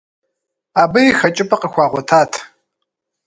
Абыи хэкӏыпӏэ къыхуагъуэтат.